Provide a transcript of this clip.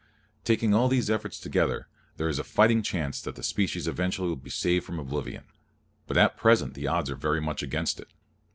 Taking all these efforts together, there is a fighting chance that the species eventually will be saved from oblivion, but at present the odds are very much against it.